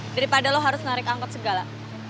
daripada lo harus narik angkot segala